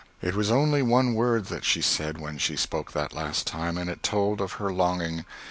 It was only one word that she said when she spoke that last time, and it told of her longing.